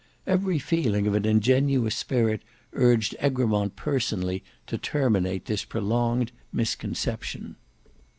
Every feeling of an ingenuous spirit urged Egremont personally to terminate this prolonged misconception.